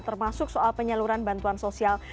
termasuk soal penyaluran bantuan sosial